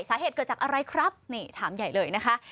สาเหตุเกิดจากอะไรครับนี่ถามใหญ่เลยนะคะ